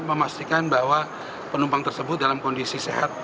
memastikan bahwa penumpang tersebut dalam kondisi sehat